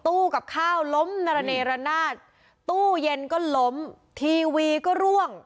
กับข้าวล้มระเนรนาศตู้เย็นก็ล้มทีวีก็ร่วง